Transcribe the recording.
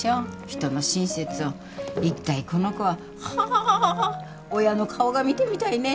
人の親切をいったいこの子は。は親の顔が見てみたいね。